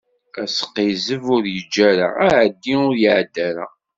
Asqizzeb, ur yeǧǧi ara; aεeddi, ur iεedda ara.